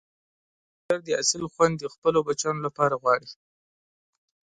کروندګر د حاصل خوند د خپلو بچیانو لپاره غواړي